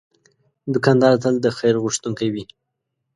دوکاندار تل د خیر غوښتونکی وي.